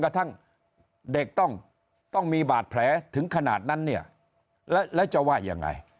ทั้งเด็กต้องมีบาดแผลถึงขนาดนั้นเนี่ยแล้วจะว่ายังไง